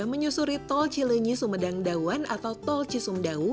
menyusuri tol cilenyi sumedang dawan atau tol cisumdawu